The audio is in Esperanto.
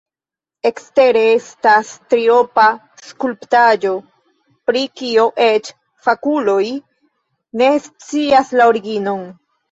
Ekstere estas triopa skulptaĵo, pri kio eĉ fakuloj ne scias la originon.